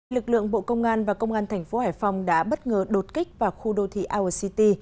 lực lượng bộ công an và công an thành phố hải phòng đã bất ngờ đột kích vào khu đô thị our city